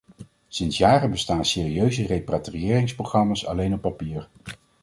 Sinds jaren bestaan serieuze repatriëringsprogramma's alleen op papier.